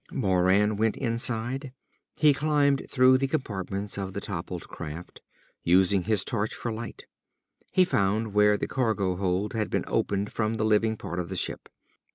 Moran went inside. He climbed through the compartments of the toppled craft, using his torch for light. He found where the cargo hold had been opened from the living part of the ship.